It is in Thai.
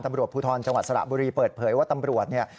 ตำรวจภูทรจังหวัดสระบุรีเปิดเผยว่าตำรวจเนี่ย